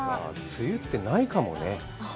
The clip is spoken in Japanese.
梅雨って、ないかもね。